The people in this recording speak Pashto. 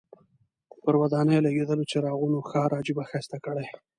پر ودانیو لګېدلو څراغونو ښار عجیبه ښایسته کړی.